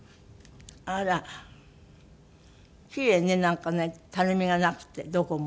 キレイねなんかねたるみがなくってどこも。